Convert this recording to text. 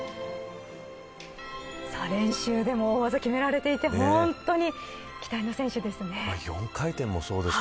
練習でも大技を決められていて本当に期待の選手ですね。